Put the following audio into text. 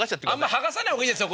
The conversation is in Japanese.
剥がさない方がいいですよ